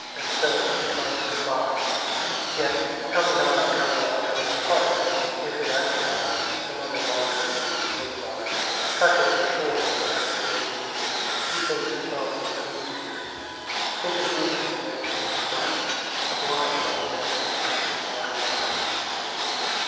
and so, Sweethearts, good bye—yet tell me not I go Out from your hearts; and if in after hours Some other wanderer in this world of ours Touch at your shores, and ask your maidens here Who sings the songs the sweetest to your ear, Think of me then, and answer with a smile, 'A blind old man of Scio's rocky isle.